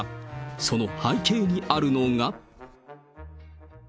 その背景にあるのが。